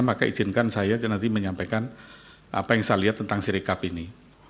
maka izinkan saya nanti menyampaikan apa yang saya lihat tentang sirikap ini